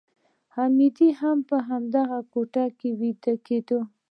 حمید هم په هغه کوټه کې ویده کېده